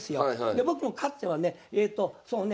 僕もかつてはねそうね